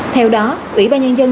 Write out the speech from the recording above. theo đó ủy ban nhân dân